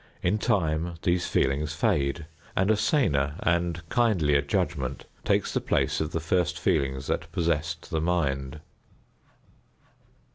In time these feelings fade, and a saner and kindlier judgment takes the place of the first feelings that possessed the mind.